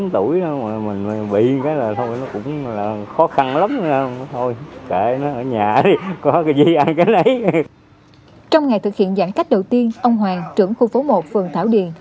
trong ngày thực hiện giãn cách đầu tiên ông hoàng trưởng khu phố một phường thảo điền